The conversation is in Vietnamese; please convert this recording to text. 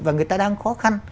và người ta đang khó khăn